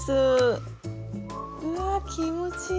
うわ気持ちいい。